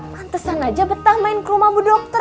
pantesan aja betah main ke rumah bu dokter